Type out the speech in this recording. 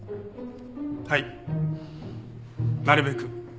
はいなるべく。